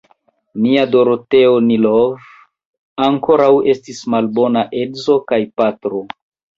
Nia Doroteo Nilov ankaŭ estis malbona edzo kaj patro.